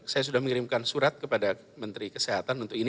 saya sudah mengirimkan surat kepada menteri kesehatan untuk ini